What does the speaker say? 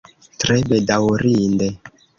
Tre bedaŭrinde.